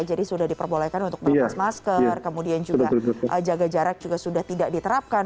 jadi sudah diperbolehkan untuk memas masker kemudian juga jaga jarak juga sudah tidak diterapkan